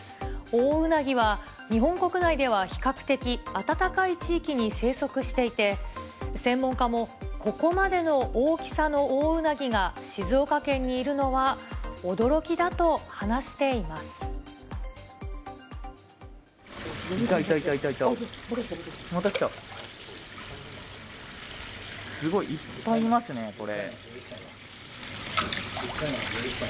オオウナギは、日本国内では比較的暖かい地域に生息していて、専門家も、ここまでの大きさのオオウナギが静岡県にいるのは驚きだと話していたいたいた。